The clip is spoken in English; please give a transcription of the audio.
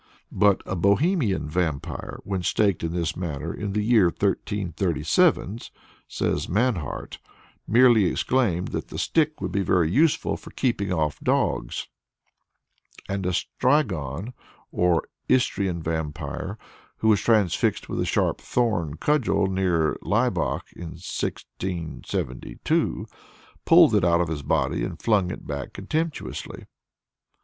But a Bohemian vampire, when staked in this manner in the year 1337, says Mannhardt, merely exclaimed that the stick would be very useful for keeping off dogs; and a strigon (or Istrian vampire) who was transfixed with a sharp thorn cudgel near Laibach, in 1672, pulled it out of his body and flung it back contemptuously.